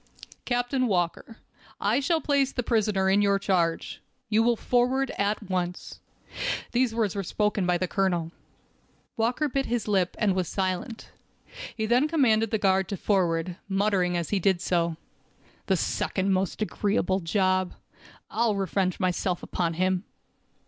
"Captain Walker, I shall place the prisoner in your charge. You will forward at once." These words were spoken by the colonel. Walker bit his lip, and was silent. He then commanded the guard to forward, muttering as he did so: "The second most agreeable job. I'll revenge myself upon him."